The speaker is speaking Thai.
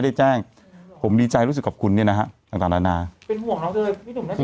ได้แจ้งผมดีใจรู้สึกกับคุณเนี้ยนะฮะต่างต่างเป็นห่วงน้องเจย